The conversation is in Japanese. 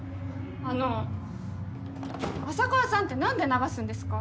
あの浅川さんって何で流すんですか？